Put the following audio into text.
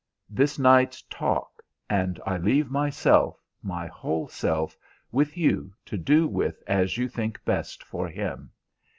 This night's talk, and I leave myself, my whole self, with you, to do with as you think best for him.